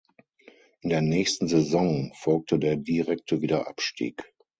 In der nächsten Saison folgte der direkte Wiederabstieg.